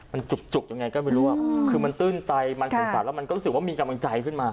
มันจุกยังไงก็ไม่รู้คือมันตื้นไตมันสงสารแล้วมันก็รู้สึกว่ามีกำลังใจขึ้นมา